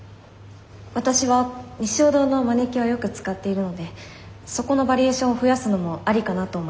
わたしは日粧堂のマニキュアをよく使っているのでそこのバリエーションを増やすのもありかなと思います。